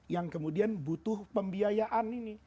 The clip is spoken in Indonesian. yang kemudian butuh pembiayaan ini